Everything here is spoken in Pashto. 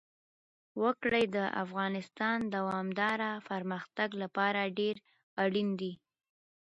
وګړي د افغانستان د دوامداره پرمختګ لپاره ډېر اړین دي.